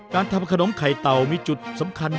การทำขนมไข่เตามีจุดสำคัญอยู่